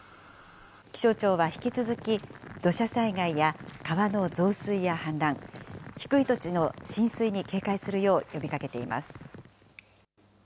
気象庁は引き続き、土砂災害や川の増水や氾濫、低い土地の浸水に警戒するよう呼びかけています。